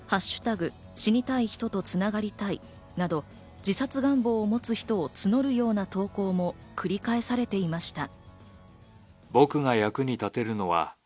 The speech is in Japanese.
死にたい人とつながりたい」など自殺願望を持つ人を募るような投稿も繰り返されていました。